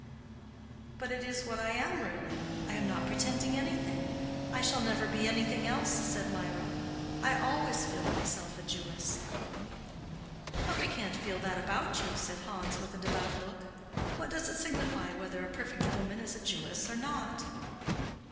"But it is what I am really. I am not pretending anything. I shall never be anything else," said Mirah. "I always feel myself a Jewess." "But we can't feel that about you," said Hans, with a devout look. "What does it signify whether a perfect woman is a Jewess or not?"